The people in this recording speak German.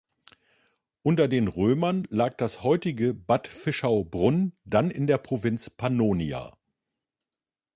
Unter den Römern lag das heutige Bad Fischau-Brunn dann in der Provinz Pannonia.